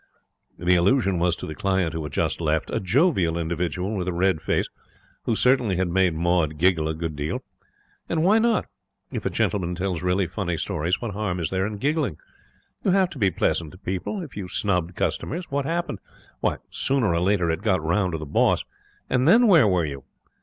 The allusion was to the client who had just left a jovial individual with a red face, who certainly had made Maud giggle a good deal. And why not? If a gentleman tells really funny stories, what harm is there in giggling? You had to be pleasant to people. If you snubbed customers, what happened? Why, sooner or later, it got round to the boss, and then where were you?